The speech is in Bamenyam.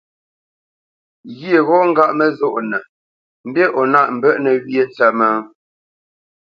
Ghyê ghɔ́ ŋgáʼ məzónə́nə mbî o nâʼ mbə́ʼnə̄ wyê ntsə́mə́?